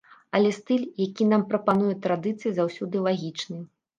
Але стыль, які нам прапануе традыцыя, заўсёды лагічны.